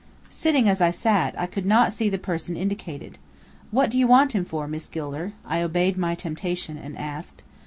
Sitting as I sat, I could not see the person indicated. "What do you want him for, Miss Gilder?" I obeyed temptation, and asked.